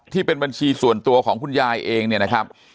ที่เป็นบัญชีส่วนตัวของคุณยายเองเนี่ยนะครับ